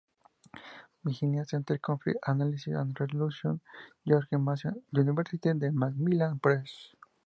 Virginia: Center Conflict Analysis and Resolution, George Mason University, The Macmillan Press.